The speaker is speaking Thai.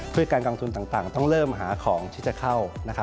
เพื่อการกองทุนต่างต้องเริ่มหาของที่จะเข้า